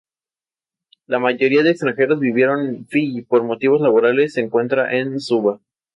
La mayoría de extranjeros viviendo en Fiyi por motivos laborales se encuentran en Suva.